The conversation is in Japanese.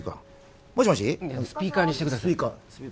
スピーカーにしてくださいもしもし？